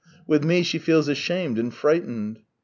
With me she feels ashamed and frightened."